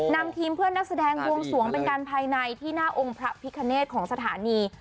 นำทีมเพื่อนนักแสดงบวงสวงเป็นการภายในที่หน้าองค์พระพิคเนธของสถานี